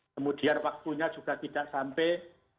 kemudian waktunya juga tidak sampai